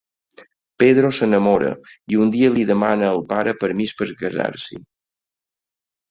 Pedro se n'enamora i un dia li demana al pare permís per casar-s'hi.